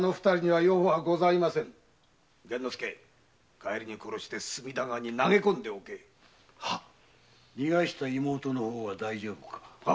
帰りに殺して隅田川に投げ込んでおけ逃がした妹の方は大丈夫か？